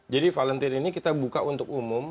jadi volunteer ini kita buka untuk umum